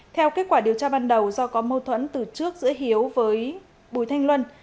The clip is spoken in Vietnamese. theo kết quả điều tra ban đầu do có mâu thuẫn từ trước giữa hiếu với bùi thanh luân